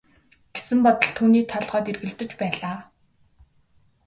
гэсэн бодол түүний толгойд эргэлдэж байлаа.